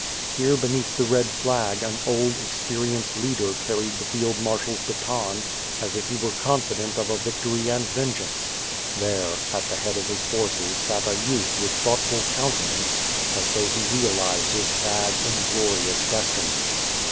Here beneath the red flag, an old, experienced leader carried the Field Marshal's baton, as if he were confident of Victory and vengeance; there, at the head of his forces sat a youth with 154 WITH FIRE AND SWORD. thoughtful countenance as though he realized his sad in glorious destiny.